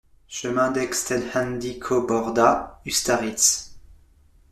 Chemin d'Etxehandikoborda, Ustaritz